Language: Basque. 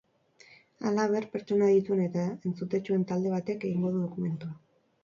Halaber, pertsona adituen eta entzutetsuen talde batek egingo du dokumentua.